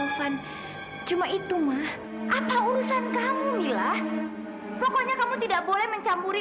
afan cuma itu mah apa urusan kamu mila pokoknya kamu tidak boleh mencampuri